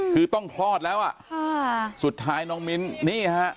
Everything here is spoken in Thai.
คือต้องคลอดแล้วอ่ะค่ะสุดท้ายน้องมิ้นนี่ฮะ